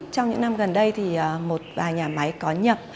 trong những năm gần đây thì một vài nhà máy có nhập